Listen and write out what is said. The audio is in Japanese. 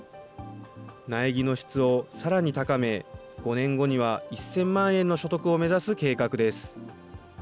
苗木の質をさらに高め、５年後には１０００万円の所得を目指す計画です。